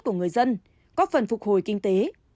của người dân có phần phục hồi kinh tế